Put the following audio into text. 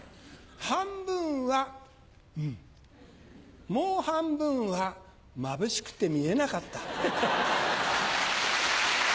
半分は「うん」もう半分は「まぶしくて見えなかった」。